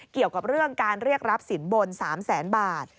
เกี่ยวกับเรื่องการเรียกรับสินบน๓แสนบาท